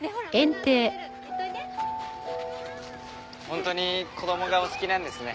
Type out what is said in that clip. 本当に子供がお好きなんですね。